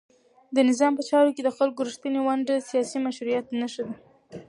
د نظام په چارو کې د خلکو رښتینې ونډه د سیاسي مشروعیت نښه ده.